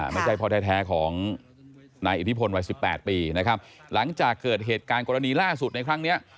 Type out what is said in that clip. ไม่ใช่พ่อแท้ของนายอิทธิพลวัยสิบแปดปีนะครับหลังจากเกิดเหตุการณ์กรณีล่าสุดในครั้งนี้